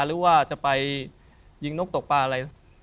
หรือว่าจะไปยิงนกตกปลาอะไร